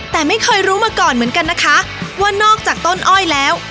แต่ไม่เคยรู้มาก่อนเหมือนกันนะคะว่านอกจากต้นอ้อยแล้ว